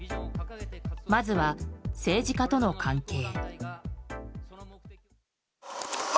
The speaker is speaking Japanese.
まずは政治家との関係。